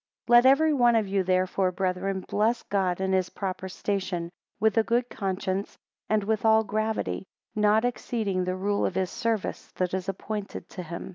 19 Let every one of you therefore, brethren, bless God in his proper station, with a good conscience, and with all gravity, not exceeding the rule of his service that is appointed to him.